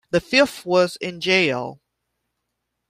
The fifth was in jail.